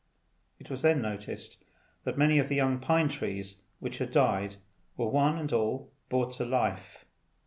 It was then noticed that many of the young pine trees which had died were one and all brought to life.